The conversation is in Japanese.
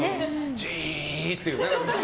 じーっていうね。